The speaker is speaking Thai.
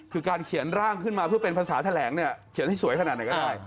คือการเขียนร่างขึ้นมาเพื่อเป็นภาษาแถลงเนี่ยเขียนให้สวยขนาดไหนก็ได้